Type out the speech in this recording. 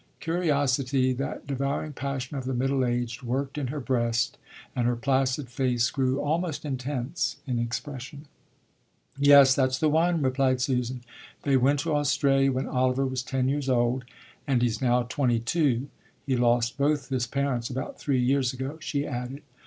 Curiosity, that devouring passion of the middle aged, worked in her breast, and her placid face grew almost intense in expression. "Yes, that's the one," replied Susan. "They went to Australia when Oliver was ten years old, and he's now twenty two. He lost both his parents about three years ago," she added.